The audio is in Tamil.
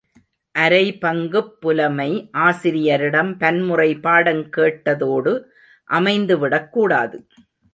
அரைபங்குப் புலமை ஆசிரியரிடம் பன்முறை பாடங் கேட்டதோடு அமைந்து விடக்கூடாது.